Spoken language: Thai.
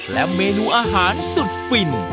และเมนูอาหารสุดฟิน